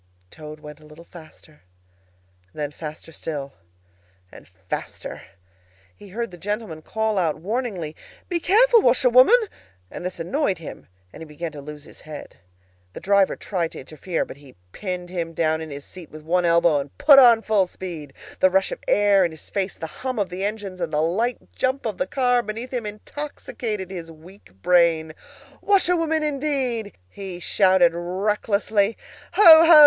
Toad went a little faster; then faster still, and faster. He heard the gentlemen call out warningly, "Be careful, washerwoman!" And this annoyed him, and he began to lose his head. The driver tried to interfere, but he pinned him down in his seat with one elbow, and put on full speed. The rush of air in his face, the hum of the engines, and the light jump of the car beneath him intoxicated his weak brain. "Washerwoman, indeed!" he shouted recklessly. "Ho! ho!